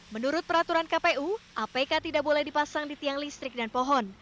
menurut peraturan kpu apk tidak boleh dipasang di tiang listrik dan pohon